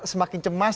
tidak semakin cemas